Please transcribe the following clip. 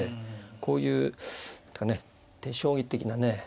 こういう手将棋的なね